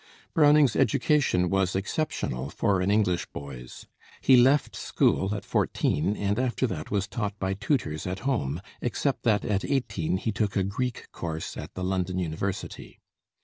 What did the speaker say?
Browning's education was exceptional, for an English boy's. He left school at fourteen, and after that was taught by tutors at home, except that at eighteen he took a Greek course at the London University.